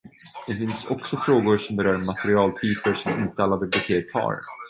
Det finns också frågor som berör materialtyper som inte alla bibliotek har.